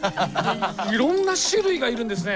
いろんな種類がいるんですね！